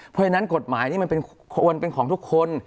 เพราะฉะนั้นกฎหมายนี้มันควรเป็นของทุกคน